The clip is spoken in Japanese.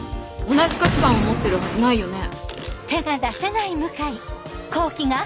同じ価値観を持ってるはずないよね？